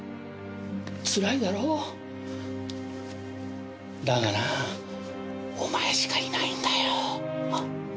つらいだろ？だがなお前しかいないんだよ。